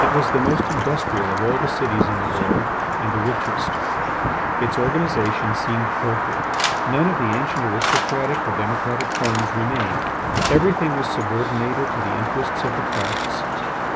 It was the most industrial of all the cities in the world and the richest. Its organisation seemed perfect. None of the ancient aristocratic or democratic forms remained; everything was subordinated to the interests of the trusts.